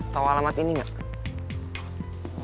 tahu alamat ini enggak